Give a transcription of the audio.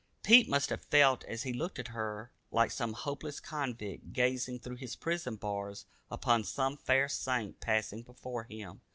Pete must have felt, as he looked at her, like some hopeless convict gazing through his prison bars upon some fair saint passing before him.